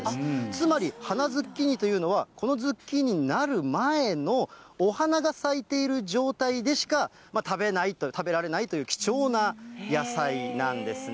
つまり花ズッキーニというのは、このズッキーニになる前の、お花が咲いている状態でしか食べられないという、貴重な野菜なんですね。